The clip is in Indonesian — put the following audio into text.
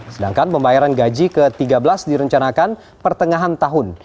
sedangkan pembayaran gaji ke tiga belas direncanakan pertengahan tahun